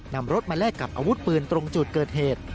นำรถมาแลกกับอาวุธปืนตรงจุดเกิดเหตุ